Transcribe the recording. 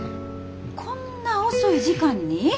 こんな遅い時間に？